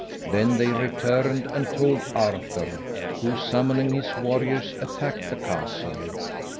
Then they returned and told Arthur, who, summoning his warriors, attacked the castle.